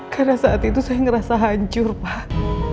karena saat itu saya ngerasa hancur pak